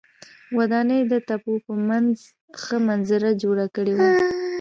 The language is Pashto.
ودانۍ د تپو په منځ ښه منظره جوړه کړې وه.